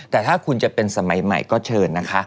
แต่ถ้าคุณจะเป็นสมัยใหม่ก็เชิญนะคะ